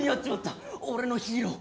俺のヒーロー。